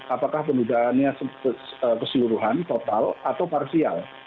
apakah penundaannya keseluruhan total atau parsial